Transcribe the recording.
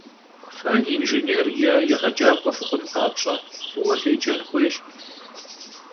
Fe yinjjênêr yê yêğecak'ue fıxhun papş'e, f'ıue fêcen xuêyş.